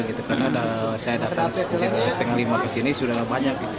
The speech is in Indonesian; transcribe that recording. karena saya datang setengah lima kesini sudah banyak